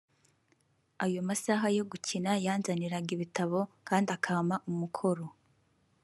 Ayo masaha yo gukina yanzaniraga ibitabo kandi akampa umukoro